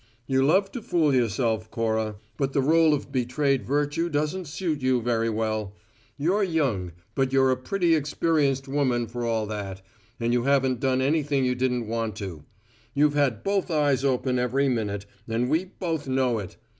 "You love to fool yourself, Cora, but the role of betrayed virtue doesn't suit you very well. You're young, but you're a pretty experienced woman for all that, and you haven't done anything you didn't want to. You've had both eyes open every minute, and we both know it.